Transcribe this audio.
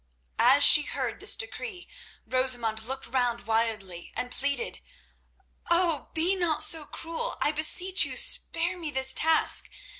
As she heard this decree Rosamund looked round wildly and pleaded: "Oh! be not so cruel. I beseech you spare me this task.